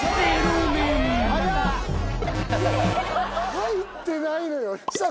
入ってないのよさあ